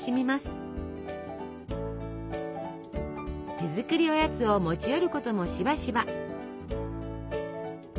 手作りおやつを持ち寄ることもしばしば。